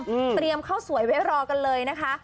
เตรียมข้าวสวยไว้รอกันเลยนะคะ